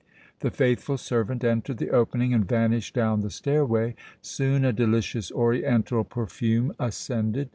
The faithful servant entered the opening and vanished down the stairway. Soon a delicious oriental perfume ascended.